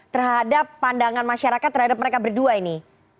terhadap pandangan masyarakat terhadap mereka berdua ini